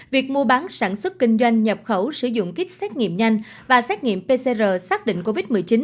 việc mua bán sản xuất kinh doanh nhập khẩu sử dụng kích xét nghiệm nhanh và xét nghiệm pcr xác định covid một mươi chín